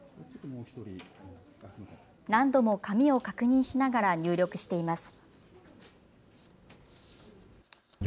何度も紙を確認しながら入力しています。